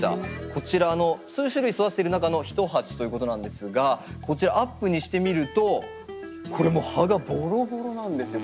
こちらの数種類育てている中の一鉢ということなんですがこちらアップにして見るとこれもう葉がボロボロなんですよ。